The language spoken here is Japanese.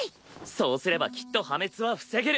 そうすればきっと破滅は防げる。